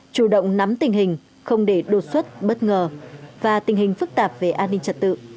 chủ động nắm tình hình không để đột xuất bất ngờ và tình hình phức tạp về an ninh trật tự